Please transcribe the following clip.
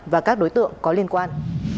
và các đối tượng có liên quan